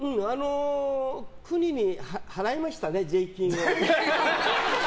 国に払いましたね、税金を。